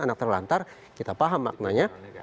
anak terlantar kita paham maknanya